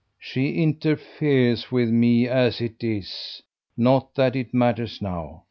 "She interferes with me as it is not that it matters now.